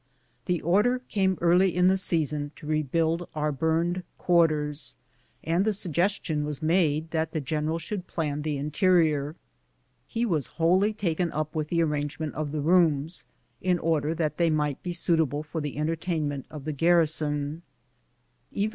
The order came early in the season to rebuild our burned quarters, and the suggestion was made that the general should plan the interior. He was wholly taken up with the arrangement of the rooms, in order that they might be suitable for the entertainment of the garrison.